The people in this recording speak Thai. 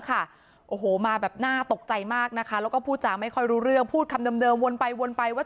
โอ้โหมาแบบน่าตกใจมากนะคะแล้วก็พูดจาไม่ค่อยรู้เรื่องพูดคำเดิมวนไปวนไปว่า